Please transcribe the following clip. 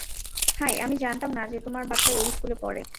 High আমি জানতাম না যে তোমার বাচ্চা এই স্কুলে পড়ে।